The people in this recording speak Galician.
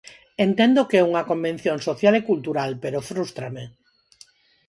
Entendo que é unha convención social e cultural, pero frústrame.